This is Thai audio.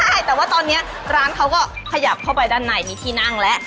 ใช่แต่ว่าตอนนี้ร้านเขาก็ขยับเข้าไปด้านในมีที่นั่งแล้ว